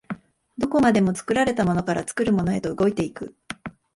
どこまでも作られたものから作るものへと動いて行く。